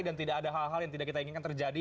dan tidak ada hal hal yang tidak kita inginkan terjadi